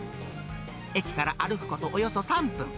駅から歩くことおよそ３分。